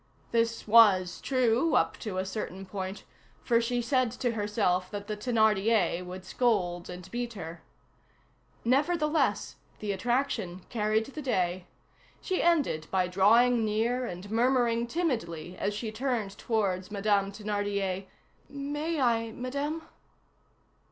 This was true, up to a certain point, for she said to herself that the Thénardier would scold and beat her. Nevertheless, the attraction carried the day. She ended by drawing near and murmuring timidly as she turned towards Madame Thénardier:— "May I, Madame?"